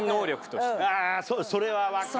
あそれは分かるな。